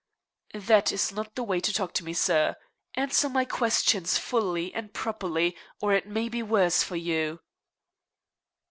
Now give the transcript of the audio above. "That is not the way to talk to me, sir. Answer my question fully and properly, or it may be worse for you."